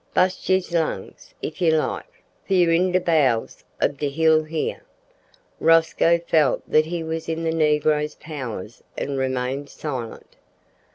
Bu'st you's lungs if you like, for you's in de bow'ls ob de hill here." Rosco felt that he was in the negro's powers and remained silent.